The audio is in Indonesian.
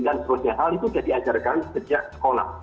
dan seterusnya hal itu diajarkan sejak sekolah